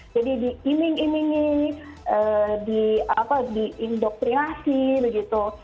jadi diiming imingi diindoktrinasi begitu